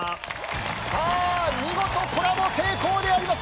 さあ見事コラボ成功であります